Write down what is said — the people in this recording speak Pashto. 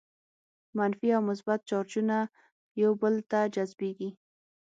منفي او مثبت چارجونه یو بل ته جذبیږي.